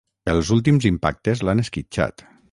Els últims impactes l'han esquitxat.